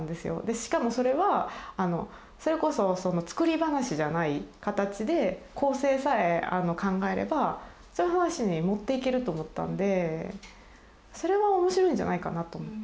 しかもそれはそれこそ作り話じゃない形で構成さえ考えればそういう話に持っていけると思ったんでそれは面白いんじゃないかなと思って。